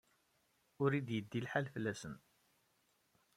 Ur iyi-d-yeddi lḥal fell-asen.